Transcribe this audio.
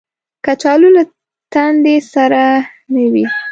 کچالو له تندې سره نه وي